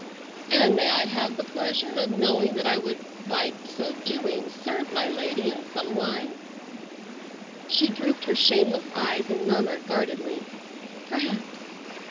"And may I have the pleasure of knowing that I would by so doing serve my lady in some wise?" She drooped her shameless eyes and murmured guardedly, "Perhaps."